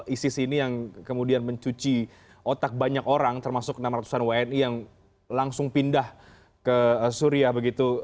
isis ini yang kemudian mencuci otak banyak orang termasuk enam ratus an wni yang langsung pindah ke suria begitu